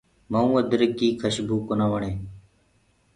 مئُونٚ ادرڪيٚ ڪيٚ کشبُو ڪونآ وڻي۔